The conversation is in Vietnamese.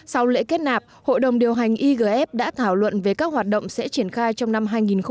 sau lễ kết nạp hội đồng điều hành igf đã thảo luận về các hoạt động sẽ triển khai trong năm hai nghìn hai mươi